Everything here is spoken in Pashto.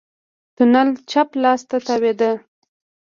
تونل چپ لاس ته تاوېده.